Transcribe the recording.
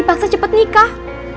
dipaksa cepet nikah